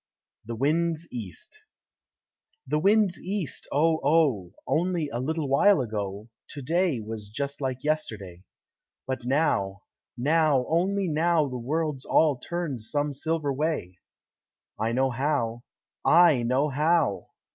The Wind's East The Wind's east, Oh, Oh! Only a little while ago, To day was just like yesterday. But now now, only Now The world's all turned some silver way; I know how, I know how!